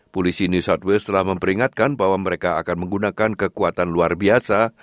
polisi new south waste telah memperingatkan bahwa mereka akan menggunakan kekuatan luar biasa